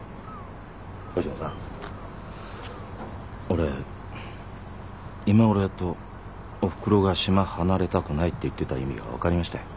俺今ごろやっとおふくろが島離れたくないって言ってた意味が分かりましたよ。